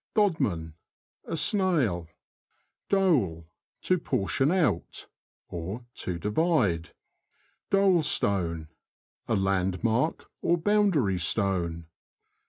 DoDMAN. — A snail. Dole. — To portion out, to divide. Dole Stone. — A landmark or boundary stone.